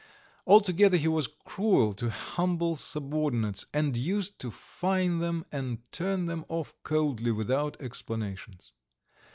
Altogether he was cruel to humble subordinates, and used to fine them and turn them off coldly without explanations.